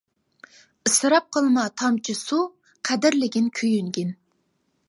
ئىسراپ قىلما تامچە سۇ، قەدىرلىگىن كۆيۈنگىن.